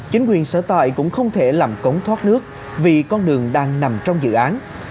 chính quyền sở tại cũng không thể làm cống thoát nước vì con đường đang nằm trong dự án